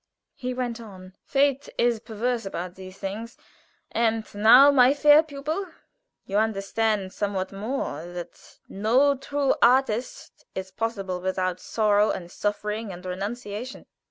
He went on: "Fate is perverse about these things. And now, my fair pupil, you understand somewhat more that no true artist is possible without sorrow and suffering and renunciation.